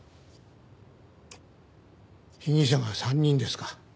被疑者が３人ですか。